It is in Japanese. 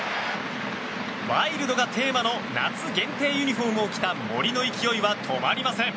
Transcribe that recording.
ワイルドがテーマの夏限定ユニホームを着た森の勢いは止まりません。